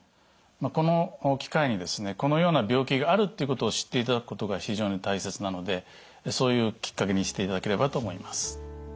この機会にですねこのような病気があるっていうことを知っていただくことが非常に大切なのでそういうきっかけにしていただければと思います。